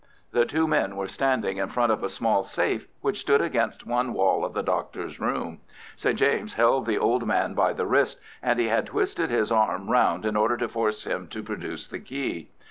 The two men were standing in front of a small safe, which stood against one wall of the Doctor's room. St. James held the old man by the wrist, and he had twisted his arm round in order to force him to produce the key.